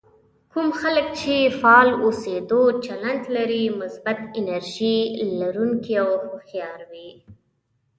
کوم خلک چې فعال اوسېدو چلند لري مثبت، انرژي لرونکي او هوښيار وي.